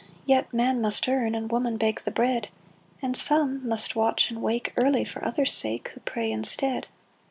— Yet man must earn, And woman bake the bread ! And some must watch and wake Early, for others' sake. Who pray instead